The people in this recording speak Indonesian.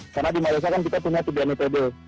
karena di madosa kan kita punya tiga metode